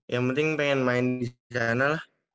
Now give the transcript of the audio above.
yang penting pengen main di sana lah